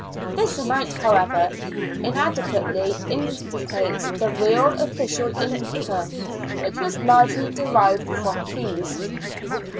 This amount, however, inadequately indicates the real official income, which was largely derived from fees.